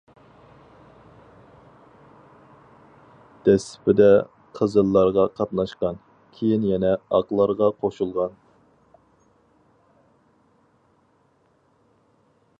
دەسلىپىدە قىزىللارغا قاتناشقان، كېيىن يەنە ئاقلارغا قوشۇلغان.